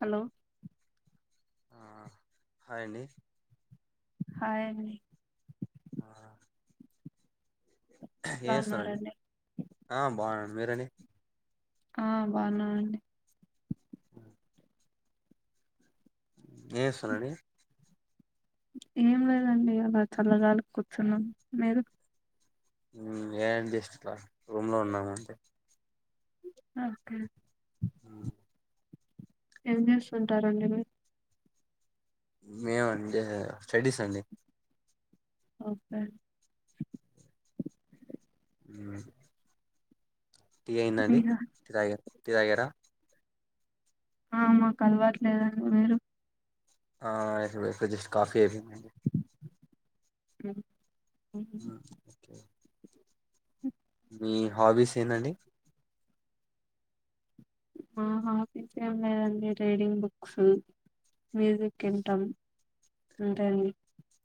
Hello hi అండి hi అండి ఆ ఏం ఎలా చేస్తరండి ఉన్నారండి ఆ బాగునండి మీరని ఆ బన్నాను అండి ఆ ఎం చేసురండి ఏం లేదండి అలా చల్లగాలి కూర్చున్నాం మీరు ఏం చేస్తున్న రూమ్ లో ఉన్నాను అండి ఓకే ఏం చేస్తుంటారండి మీరు మేము అంటే స్టడీస్ అండి ఓకే హ్మ్ టీ అయిందా అండి మీరు టి తగార టీ తగరా ఆ మాకు అలవట్లేదండి మీరు జస్ కాఫీ అయిపోయింది అండి అ ఓకే అ మీ హాబీస్ ఎందండి హాబిస్ ఏం లేదండి రీడింగ్ బుక్స్ మ్యూజిక్ ఇంటమ్ అంటే అండి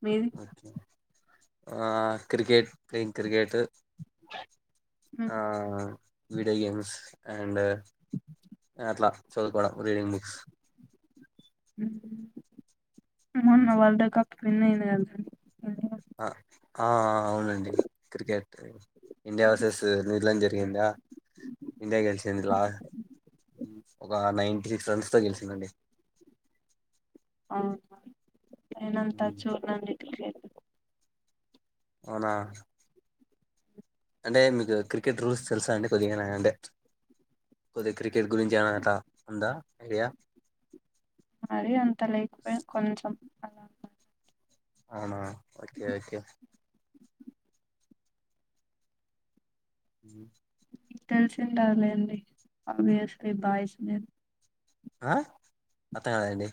మీది ఓకే క్రికెట్ ప్లయింగ్ క్రికెట్ ఆ ఉమ్. వీడియో గేమ్స్ అండ్ అట్లా చదువుకోవడం రీడింగ్ బుక్స్ అ ఉ వాల్ద పన్నయిన కతు అవునండి క్రికెట్ ఇండియా వర్సెస్ న్యూజిలాండ్ జరిగిందా ఇండియా గెలిచింది ఇలా ఒక నైన్ంట సిక్స్ రన్స్తో గెలిచందండి ఆ ఉమ్. ఏనంతచ న అవునా అంటే మీకు క్రికెట్ రూల్స్ తెలుసా అంటే కొద్దిగానా అంటే కొద్దిగా క్రికెట్ గురించి ఏనా అట ఉందా ఐడియా మరి అంత లేకపోయి కొంచెం అలా ఉ అనా ఓకే ఓకే జ కు తెలిసింది రవాలండి అవిస్ బాయస్ స ఆ అర్థం కల అండి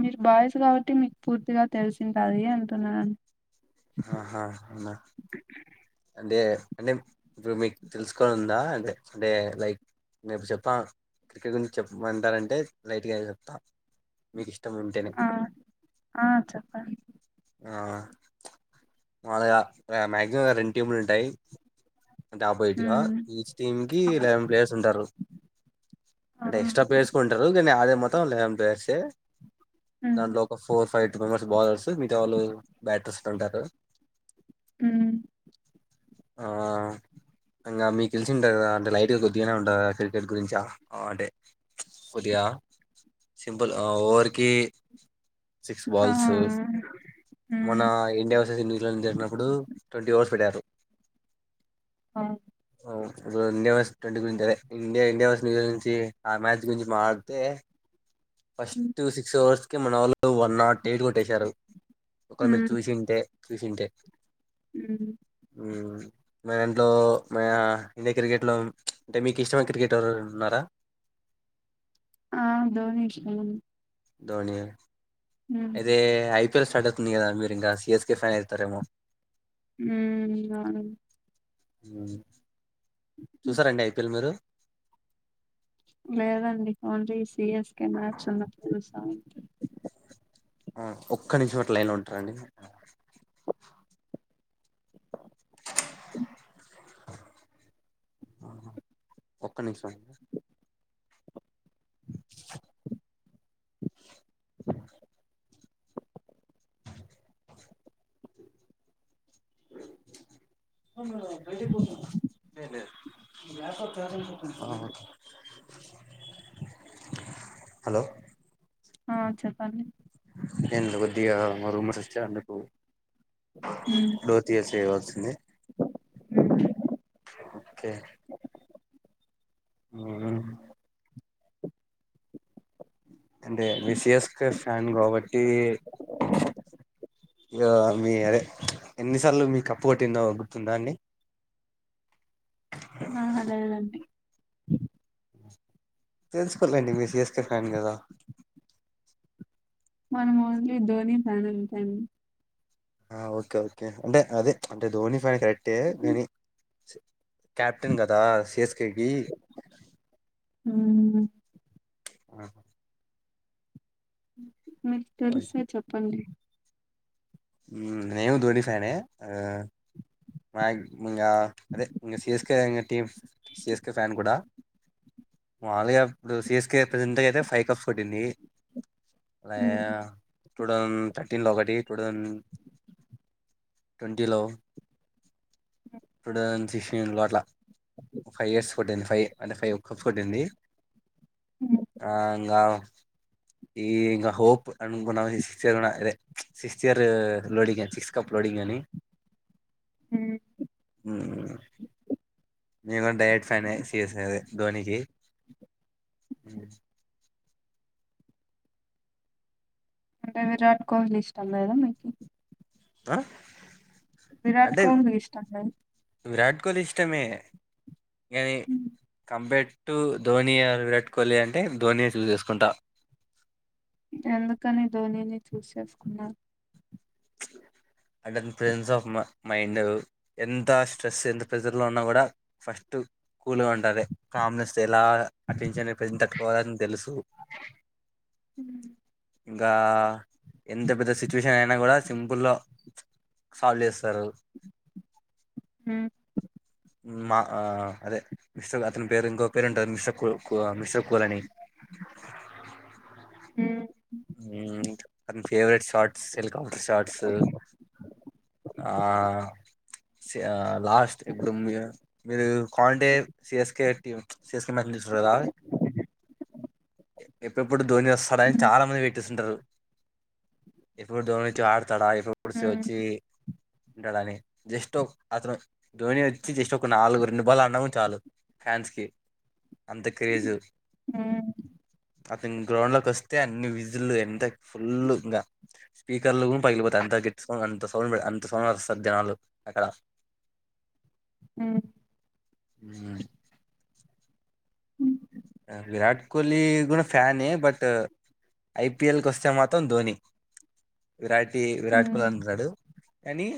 మీరు బాయసు కాబట్టి మీకు పూర్తిగా తెలిసింటుది అంటున్నానుడి ఆహా అంటే అంటే ఇప్పుడు మీకు తెలుసుకని ఉందా అంటే అంటే లైక్ నేప్పుడు చెప్పా క్రికెట్ గురించి చెప్పమంటారంటే లైట్గా చెప్తాను మీకు ఇష్టం ఉంటేనే ఆ ఆ చెప్పండి ఆ అళగా మాక్సిమం రెండు టీంలు ఉంటాయి అంట అబ ఇటుగా ఉమ్ ఈ టీమ్ కి లెవెన్ ప్లేయర్స్ ఉంటారు ఆ అంటే ఎక్స్ట్రా ప్లేయర్స్ కు ఉంటారు కానీ అదే మొత్తం మొత్తం లీవెన్ ప్లేయర్స్ ఉమ్ దాంట్లో ఒక four five eight members bowlers మిగా వాళ్ళు బ్యాటర్ ఉంటారు హమ్ హమ్ ఇంగా మీకు తెలిసింటది గదా అంటే లైట్గా కొద్దిగానే ఉంటుందా క్రికెట్ గురించ అంటే కొద్దిగా సింపుల్ ఓవర్కీ సిక్స్ ఆ బాల్స్ ఉమ్ మన ఇండియా వెర్సెస్ న్యూజిల్యాండ్ జరిగినప్పుడు ట్వంటీ ఓవర్స్ పెట్టారు ఆ ఆ, ఇండియా వర్స్ ట్వంటీ గురించి ఇండియా ఇండియా వర్స్ న్యూజిలాండ్ నుంచి ఆ మ్యాచ్ గురించి మాట్లాడితే ఫస్టు సిక్స్ ఓవర్స్ కి మన వాళ్ళు వన్ ఆట్ యైట్ కొట్టేశారు ఒకర్ని చూసి క్రిషింటే హమ్ హమ్ మా దాంట్లో మా ఇండియా క్రికెట్లో అంటే మీకు ఇష్టమైన క్రికెటర్ ఎవరన్నా ఉన్నారా ఆ ధోనీ ఇష్టం ధోనీ ఆ అయితే ఐపీఎల్ స్టార్ట్ అవుతుంది కదా మీరు ఇంగా సీఎస్కే ఫ్యాన్ అయితారు ఏమో ఉ అవును ఉ హ్మ్. చూసారండి ఐపీఎల్ మీరు లేదండి ఓన్లీ సిఎస్కె మ్యాచ్ ఉన్నప్పుడు చూస్తా ఆ ఒక్క నిమిషం అట్లే లైన్లో ఉంటారండి ఒక్క నిమిషం హలో ఆ చెప్పండి నేను కొద్దిగా మా రూమ్మేట్స్ వచ్చారు అందుకు ఉమ్ డోర్ తీసేయ్ వస్తుంది ఆ అంటే మీరు సీఎస్కే ఫ్యాన్ కాబట్టి ఇగ మీ అరే ఎన్నిసార్లు మీ కప్పు కొట్టిందొ గుర్తుందా అండి ఆ లేదండి తెలుసుకోవల్ అండి మీరు సిఎస్కే ఫ్యాన్ గదా మనం ఓన్లీ ధోని ఫ్యాన్ అంతే అండి ఆ ఓకే ఓకే అంటే అదే అంటే ధోని ఫ్యాన్ క అంటే నేను క్యాప్టెన్ గదా సిఎస్కే కి ఉమ్ ఆ మీకు తెలుసా చెప్పండి ఉ నేను ధోని ఫ్యానే ఆ ఇంకా అదే ఇం సిఎస్కే టీమ్ సిఎస్కే ఫ్యాన్ కూడా మాములుగా ఇప్పుడు సిఎస్కే ప్రజెంట్గా అయితే ఫైవ్ కప్స్ కొట్టింది లయ హ్మ్ టూ థౌసండ్ థర్టీన్ లో ఒకటి టూ థౌసండ్ ట్వంటీ లో టూ థౌసండ్ సిన్స్టీన్ లో అట్లా ఫైవ్ ఇయర్స్ కొట్టింది ఫైవ్ అంటే ఫైవ్ కప్ కొట్టింది ఆ ఇంకా ఈ ఇంగ్ హోప్ అన్కున్నా సిక్స్త్ ఇయర్ ఇదే సిక్స్త్ ఇయర్ లోడింగ్ అ సిక్స్త్ కప్ లోడింగ్ అని ఉ ఉ నేను గాని డై హార్ట్ ఫాన్ సిఎస్ అదే ధోనికి అంటే విరాట్ కోహ్లీ ఇష్టం లేదా మీకు ఆ విరాట్ కోహ్లీ ఇష్టం లే కొలి ఇష్టమే ఈ కంపేట్ టు ధోని ఆ విరాట్ కోహ్లీ అంటే ధోనిని చూస్ చేసుకుంటా ఎందుకని ధోనిని చూస్ చేసుకున్నారు అంటే ప్రజెన్స్ ఆఫ్ మ మైండ్ ఎంత స్ట్రెస్ ఎంత ప్రెజర్ లో ఉన్నా కూడా ఫస్ట్ కూల్గా ఉండాలే కామ్నెస్ ఎలా అటెన్షన్ ప్రెషర్ తట్టుకోవాలని తెలుసు ఇంకా ఎంత పెద్ద సిచ్యువేషన్ అయినా కూడా సింపుల్ గా సాల్వ్ చేస్తారు హ్మ్ మా ఆ అదే మిస్టర్ అతని పేరు ఇంకో పేరుంటది మిస్టర్ కూల్ మిస్టర్ కూలని హ్మ్ హ్మ్ అతను ఫేవరెట్స్ షార్ట్స్ సెల్ కపూటర్ [unintelligible] షార్ట్స్ ఆ లాస్ట్ ఇప్పుడు మీరు మీరు కాంటే సిఎస్కే టీం సిఎస్కే మ్యాచ్ చూసరు కదా ఎప్పుడెప్పుడు ధోని వస్త [unintelligible] [unintelligible] హ్మ్ తడాయిలు ఫూడ్సి హ్మ్ వచ్చి ఉంటాడని జస్ట్ అతను ధోని వచ్చి జస్ట్ ఒక నాలుగు రెండు బాల్లు ఆడినా కూడా చాలు ఫ్యాన్స్ కి అంత క్రేజు హ్మ్ అతను గ్రౌండ్ లో కొస్తే అన్నీ విజిల్ ఫుల్ ఎంత ఫుల్లు ఇంక స్పీకర్లు కూడా పగిలిపోతాయి అంత గట్టి సౌ అంత సౌండ్ అంత సౌండ్ అస్తది జనాలు అక్కడ హ్మ్ హ్మ్ విరాట్ కోహ్లీ కూడా ఫ్యానే బట్ ఐపిఎల్ కి వస్తే మాత్రం ధోని విరాటి విరాట్ హ్మ్ కోహ్ అంటన్నాడు కానీ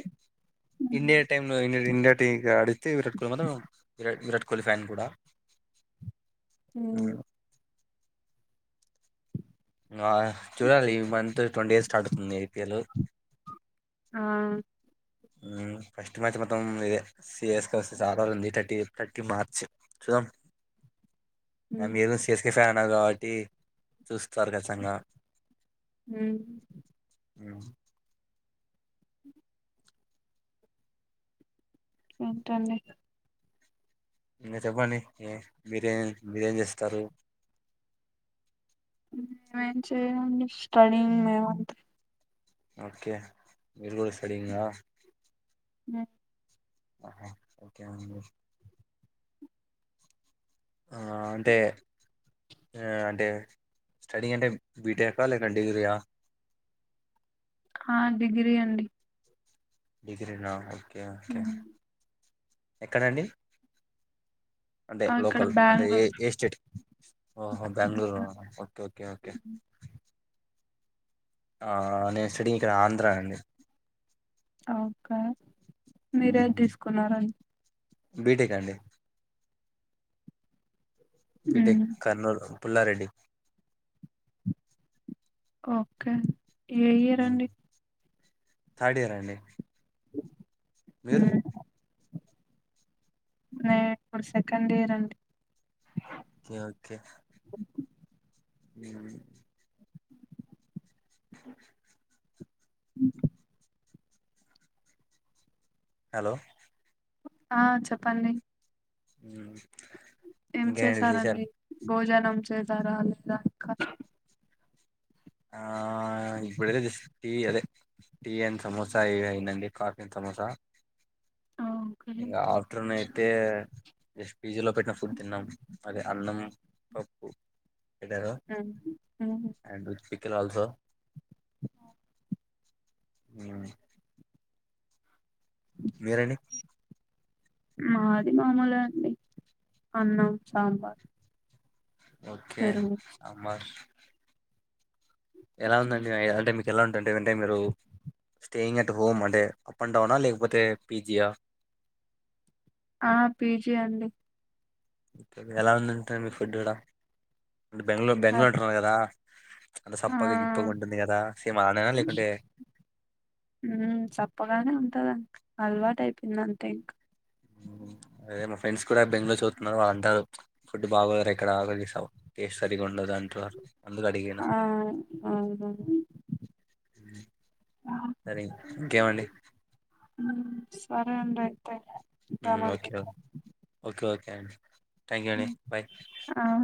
ఇండియా టైమ్ లో ఇండియా టీం కి ఆడితే విరాట్ కోహ్లీ మాత్రం విరా విరాట్ కోహ్లీ ఫ్యాన్ కూడా హ్మ్ ఆ చూడాలి ఈ మంత్ ట్వంటీ డేస్ స్టార్ట్ అవుతుంది ఐ పీ ఎల్ ఆ ఫస్ట్ మ్యాచ్ మొత్తం ఇదే సిస్ కస్తే చాలా ఉంది థర్టీ థర్టీ మార్చ్ చూద్దాం మ హ్మ్ మీరు సి ఎస్ కె ఫ్యాన్ [unintelligible] కాబట్టి చూస్తారు ఖచ్చితంగా హ్మ్ [inaudible] ఎంటండి మీరు చెప్పండి ఏ బిర్యానీ బిర్యానీ చేస్తారు మేమేం చేయమండి స్టడీయింగ్ మేమంతే ఓకే మీరు గూడా స్టడీయింగా హ్మ్ [inaudible] ఆ అంటే అంటే స్టడీ అంటే బీటెక్కా లేక డిగ్రీయా ఆ డిగ్రీ అండి డిగ్రీ నా ఓకే ఓకే ఉమ్. ఎక్కడండి అంటే ఆ ఇక్కడ లోకల్ అంటే ఏ బెంగళూరు ఏ స్టేట్ ఓహో బెంగుళూరు ఓకే ఓకే ఓకే ఆ నేను స్టడీ ఇక్కడ ఆంధ్రా అండి ఓకే మీరేది తీసుకున్నారం బీటెకా అండి బిటెక్ హ్మ్. కర్నూలు పుల్లారెడ్డి ఓకే ఏ యెయ్యరండి థర్డ్ ఇయర్ అండి మీరు న ఇప్పు సెకండ్ ఇయర్ అండి ఓకే హ [inaudible] అ [inaudible] హలో ఆ చెప్పండి [unintelligible] ఏం ఇంకేంటి విశేషాలు చేశారంండి భోజన చేజ [unintelligible] ఆ ఇడుద టీ అదే టీ అం సమోస ఇ ఇయినండి కాఫీ అం సమోసా ఓకే. ఇంగ ఆఫటర్నూన్ అయితే జస్ట్ పీజీ లో పెట్టిన ఫుడ్ తిన్నాం అదే అన్నం పప్పు పెట్టారు మా ఫనాల సార్ మ్మ్మ్ మీేరేని మాది మామూలు అండి అన్నం సాంబార్ ఓకే పెరుగు. అమ ఎలా ఉందండింటే మీకు ఎలా ఉంటుే ఏదంటే మీరు స్టేయింగ్ అట్ హోమ్ అంటే అప్ అండ్ డౌనా లేకపోతే పీజియా ఆ పీజీ అండి ఇ ఎలా ఉందింటుారు మీ ఫుడ్ కూడా అంట బెంగళూ బెంగళూరు అద్ అంటున్నారు కదా అంటే ఆ సప్పగా గిప్పగా ఉంటుంది కదా సేమ్ అలానేనా లేకుంటే చప్పగానే ఉంటదండి హల్వాటు అయిపోయిందంత థ్యాంక్ యూ అదే మా ఫ్రెండ్స్ కూడా బెంగళూరు చదువుతున్నారు వాళ్ళందారు ఫుడ్ బాగరు ఎక్కడా టేస్ట్ సరి ఉ అందుకు అడిగనా ఆ! అవునవును. సరే ఇంకేమండి సరే ఉంయితే ఓకే ఓకే క తా హ్మ్. బాయ్ ఆ!